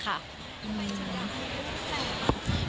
ทำไมจังมีลูกแก่แล้วคะ